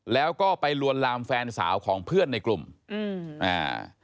แล้วก็ไปลวนลามแฟนสาวของเพื่อนในกลุ่มอืมอ่า